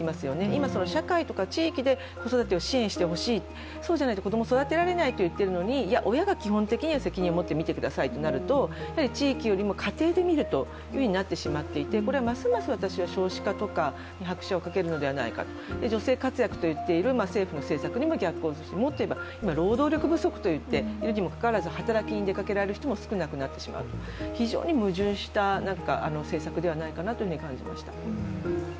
今その社会とか地域で子育てを支援してほしいそうじゃないと子供育てられないといっているのにいや、親が基本的に責任もって見てくださいということになると、地域よりも家庭で見るとなってしまっていて、これはますます私は少子化とかに拍車をかけるのではないか女性活躍といっている政府の方針にも逆行することになる、もっと言えば、今、労働力不足といっているにもかかわらず、働きに出かけられる人も少なくなってしまう、非常に矛盾した政策ではないかと思います。